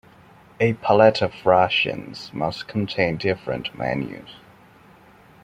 A pallet of rations must contain different menus.